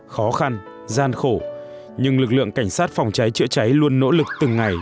khó khăn gian khổ nhưng lực lượng cảnh sát phòng cháy chữa cháy luôn nỗ lực từng ngày